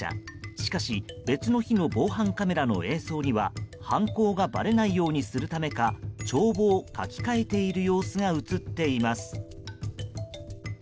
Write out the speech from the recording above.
しかし、別の日の防犯カメラの映像には犯行がばれないようにするためか帳簿を書き換えている様子が映っています。